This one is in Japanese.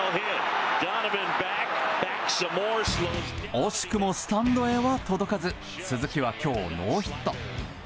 惜しくもスタンドへは届かず鈴木は今日ノーヒット。